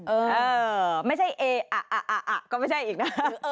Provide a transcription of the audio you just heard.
เออไม่ใช่เออ่ะอ่ะอ่ะอ่ะก็ไม่ใช่อีกนะ